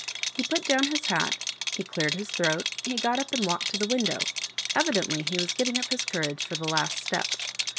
He put down his hat, he cleared his throat, he got up and walked to the window— evidently he was get ting up his courage for the last step.